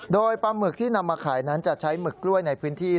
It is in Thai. โดยปลาหมึกที่นำมาขายนั้นจะใช้หมึกกล้วยในพื้นที่